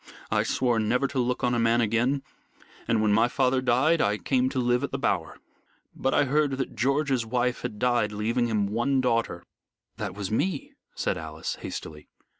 I swore never to look on a man again, and when my father died I came to live at The Bower. But I heard that George's wife had died, leaving him one daughter " "That was me," said Alice, hastily.